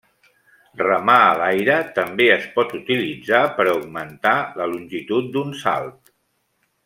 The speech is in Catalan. Remar a l'aire també es pot utilitzar per augmentar la longitud d'un salt.